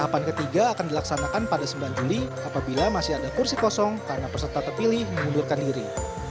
tahapan ketiga akan dilaksanakan pada sembilan juli apabila masih ada kursi kosong karena peserta terpilih mengundurkan diri